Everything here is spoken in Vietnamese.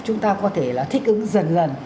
chúng ta có thể là thích ứng dần dần